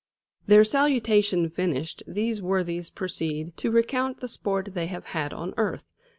Their salutation finished, these worthies proceed to recount the sport they have had on earth.